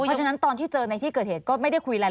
เพราะฉะนั้นตอนที่เจอในที่เกิดเหตุก็ไม่ได้คุยอะไร